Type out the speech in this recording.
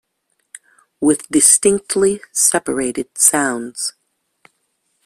With distinctly separated sounds.